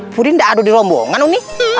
pudin gak ada di rombongan